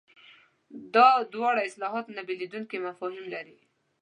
دا دواړه اصطلاحات نه بېلېدونکي مفاهیم لري.